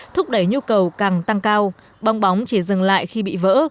thúc đẩy nhu cầu càng tăng cao bóng bóng chỉ dừng lại khi bị vỡ